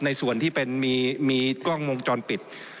ส่วนที่เป็นมีกล้องวงจรปิด